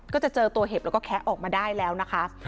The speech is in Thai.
ก็จะเจอตัวเห็บแล้วก็แคะออกมาได้แล้วนะคะ